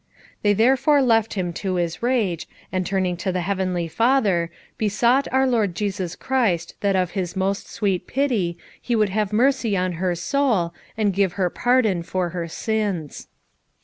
They therefore left him to his rage, and turning to the Heavenly Father, besought our Lord Jesus Christ that of His most sweet pity He would have mercy on her soul, and give her pardon for her sins.